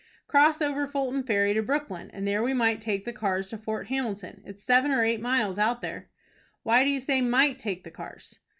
"Cross over Fulton Ferry to Brooklyn, and there we might take the cars to Fort Hamilton. It's seven or eight miles out there." "Why do you say 'might' take the cars?"